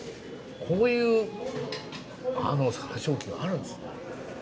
こういう箸置きがあるんですね。